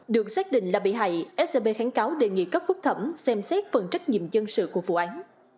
được xác định là bị hại scb kháng cáo đề nghị cấp phúc thẩm xem xét phần trách nhiệm dân sự của vụ án